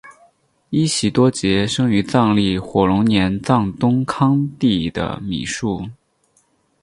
依喜多杰生于藏历火龙年藏东康地的米述。